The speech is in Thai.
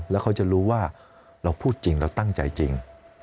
แล้วเขาจะรู้ว่าเราพูดจริงเราตั้งใจจริง